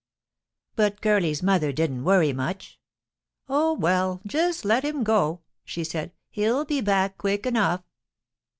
"But Curly's mother didn't worry much. 'Oh, well, just let him go,' she said. 'He'll be back quick enough.'